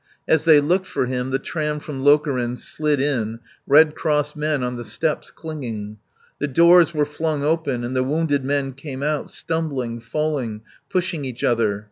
As they looked for him the tram from Lokeren slid in, Red Cross men on the steps, clinging. The doors were flung open and the wounded men came out, stumbling, falling, pushing each other.